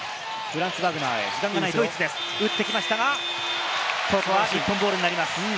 バグナーが打ってきましたが、ここは日本ボールになります。